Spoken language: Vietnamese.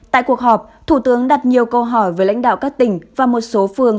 tại cuộc họp thủ tướng đặt nhiều câu hỏi với lãnh đạo các tỉnh và một số phương